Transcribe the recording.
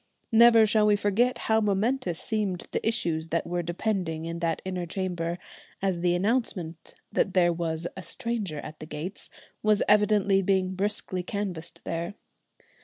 Never shall we forget how momentous seemed the issues that were depending in that inner chamber, as the announcement that there was a "stranger at the gates" was evidently being briskly canvassed there.